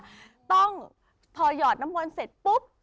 คือว่าต้องพอหยอดน้ำวนเสร็จปุ๊บ